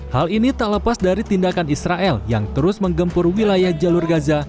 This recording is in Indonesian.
hal ini tak lepas dari tindakan israel yang terus menggempur wilayah jalur gaza